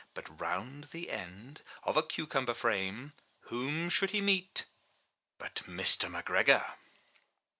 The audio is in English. But round the end of a cucumber frame, whom should he meet but — Mr. McGregor!